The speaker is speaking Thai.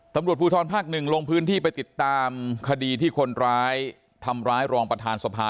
ตำรวจภูทรภาคหนึ่งลงพื้นที่ไปติดตามคดีที่คนร้ายทำร้ายรองประธานสภา